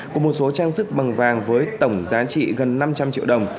cùng một số trang sức bằng vàng với tổng giá trị gần năm trăm linh triệu đồng